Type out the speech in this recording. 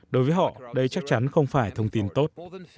đối với họ đây chắc chắn không phải thông tin tốt